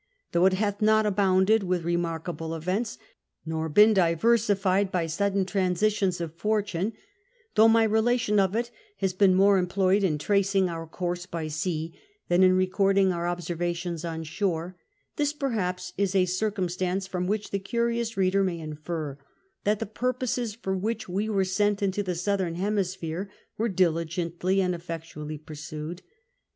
Though it hath nut abounded with I'emarkable events, nor been diversified by sudden transitions of fortune, thougli my relation of it has been more employed in tracing our course * by sea than in recording our observations on shore, this, perhaps, is a circumstance from which the curious i*eader may infer that the purposes for which we were sent into the Southern Hemisphere were diligently and eflectually pur sued.